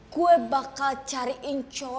gue bakal cariin cowok yang lebih cakep